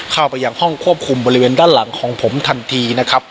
เข้าไปยังห้องควบคุมบริเวณด้านหลังของผมทันทีนะครับ